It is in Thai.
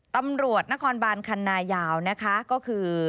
ตำรวจนครบานคันนายาวนะคะก็คือ